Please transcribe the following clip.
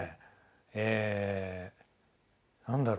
え何だろう。